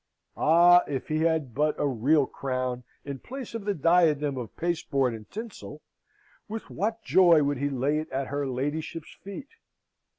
Ah, if he had but a real crown in place of his diadem of pasteboard and tinsel, with what joy would he lay it at her ladyship's feet!